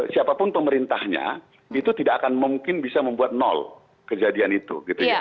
siapapun pemerintahnya itu tidak akan mungkin bisa membuat nol kejadian itu